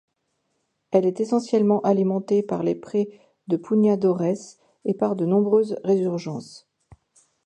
Elle est essentiellement alimentée par les prés de Pougnadoresse et par de nombreuses résurgences.